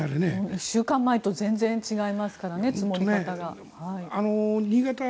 １週間前と全然違いますからね積もり方が。